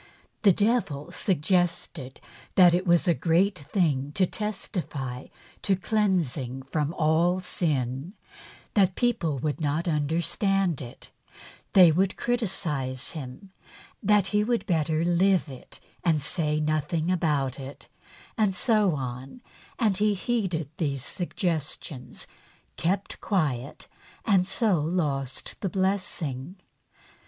The devil suggested that it was a great thing to testify to cleansing from all sin ; that people would not understand it ; that they would criticise him ; that he would better live it and say nothing about it ; and so on, and he heeded these suggestions, kept quiet, and so lost the blessing.